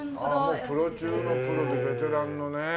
もうプロ中のプロベテランのね。